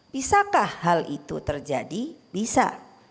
bisakah hal itu terjadi bisa